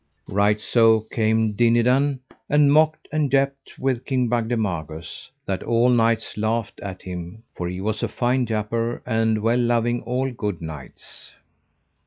Right so came Dinadan, and mocked and japed with King Bagdemagus that all knights laughed at him, for he was a fine japer, and well loving all good knights.